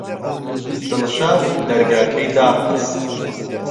دڵشاد دەرگاکەی داخست.